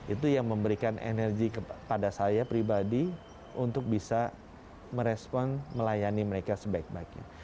itu yang memberikan energi kepada saya pribadi untuk bisa merespon melayani mereka sebaik baiknya